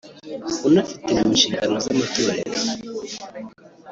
unafite mu nshingano ze Amotorero